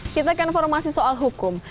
kita ke informasi soal hukum